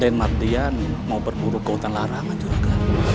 dan mardian mau berburu ke hutan larangan keluarga